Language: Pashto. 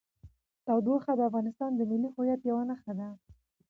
تودوخه د افغانستان د ملي هویت یوه نښه ده.